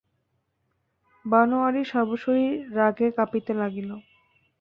বনোয়ারির সর্বশরীর রাগে কাঁপিতে লাগিল।